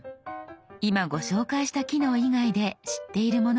今ご紹介した機能以外で知っているものはありますか？